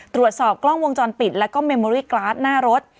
ตรวจสอบกล้องวงจรปิดแล้วก็เมมโมรี่กราดหน้ารถ